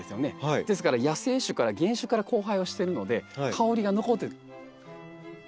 ですから野生種から原種から交配をしてるので香りが残ってる。